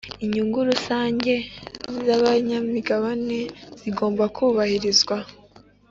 inyungu rusange zabanyamigabane zigomba kubahirizwa